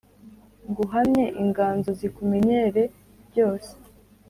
Nguhamye inganzo zikumenyere byose